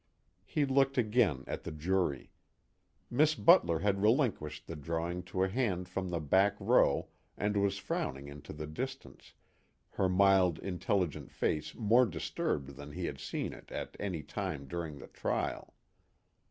He looked again at the jury. Miss Butler had relinquished the drawing to a hand from the back row and was frowning into the distance, her mild intelligent face more disturbed than he had seen it at any time during the trial.